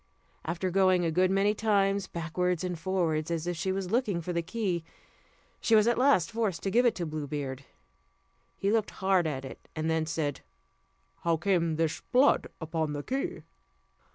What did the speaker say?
After going a good many times backwards and forwards, as if she was looking for the key, she was at last forced to give it to Blue Beard. He looked hard at it, and then said: "How came this blood upon the key?"